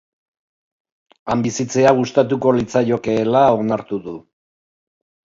Han bizitzea gustatuko litzaiokeela onartu du.